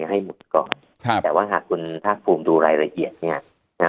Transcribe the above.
ให้หมุดก่อนแต่ว่าหากคุณท่าภูมิดูรายละเอียดเนี่ย